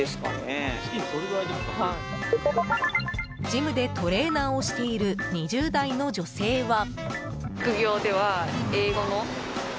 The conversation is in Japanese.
ジムでトレーナーをしている２０代の女性は。